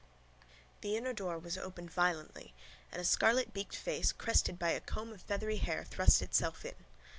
The inner door was opened violently and a scarlet beaked face, crested by a comb of feathery hair, thrust itself in.